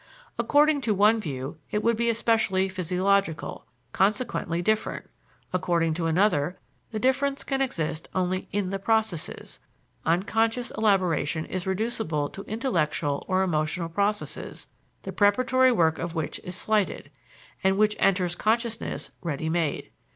According to one view it would be especially physiological, consequently different; according to another, the difference can exist only in the processes: unconscious elaboration is reducible to intellectual or emotional processes the preparatory work of which is slighted, and which enters consciousness ready made.